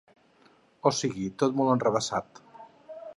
O sigui, tot molt enrevessat.